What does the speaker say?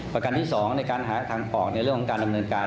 ประกันที่๒ในการหาทางออกในเรื่องของการดำเนินการ